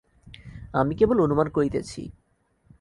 আমি কেবল অনুমান করিতেছি।